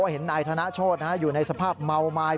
เห็นนายธนโชธอยู่ในสภาพเมาไม้